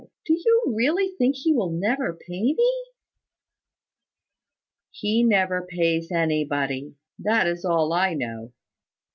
Do you really think he will never pay me?" "He never pays anybody; that is all I know.